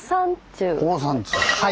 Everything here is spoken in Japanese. はい！